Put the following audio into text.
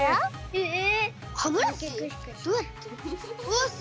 へえ。